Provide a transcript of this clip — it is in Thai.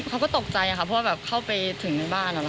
เขาก็ตกใจค่ะเพราะว่าเข้าไปถึงในบ้านแล้วนะคะ